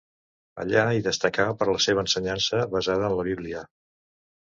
Allà hi destacà per la seva ensenyança basada en la Bíblia.